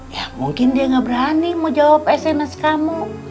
ya mungkin dia gak berani mau jawab sms kamu